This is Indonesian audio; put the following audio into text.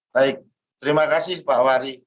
baik terima kasih pak wari